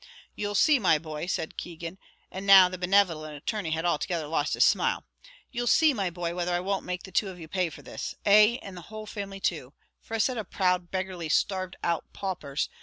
"You'll see, my boy," said Keegan and now the benevolent attorney had altogether lost his smile, "you'll see, my boy, whether I won't make the two of you pay for this; ay! and the whole family too, for a set of proud, beggarly, starved out paupers.